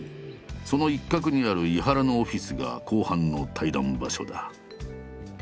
その一角にある井原のオフィスが後半の対談場所だ。